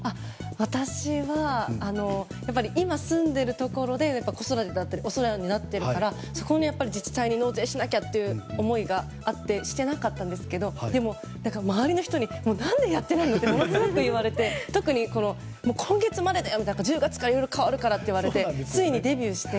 私は今住んでいるところで子育てだったりお世話になってるからそこの自治体に納税しなきゃという思いがあってしてなかったんですけどでも、周りの人に何でやってないの？とものすごく言われて特に今月までだよみたいな１０月からいろいろ変わるからって言われてついにデビューして。